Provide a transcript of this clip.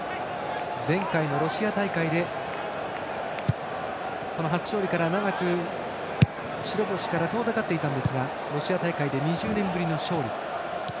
前回のロシア大会でその初勝利から長く白星からは遠ざかっていましたがロシア大会で２０年ぶりの勝利。